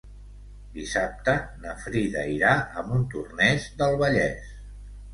Dissabte na Frida irà a Montornès del Vallès.